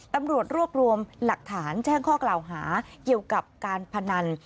ตำรวจรวบรวมหลักฐานแจ้งข้อกล่าวหาเกี่ยวกับการพนัน